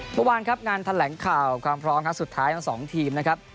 เมื่อวานครับงานแถลงข่าวความพร้อมครั้งสุดท้ายทั้งสองทีมนะครับ